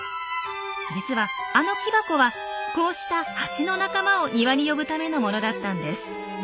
実はあの木箱はこうしたハチの仲間を庭に呼ぶためのものだったんです。